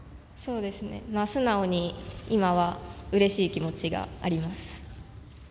素直に今はうれしい気持ちがあります。